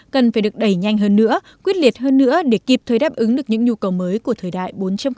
cần phải được đẩy nhanh hơn nữa quyết liệt hơn nữa để kịp thời đáp ứng được những nhu cầu mới của thời đại bốn